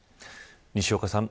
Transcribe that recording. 西岡さん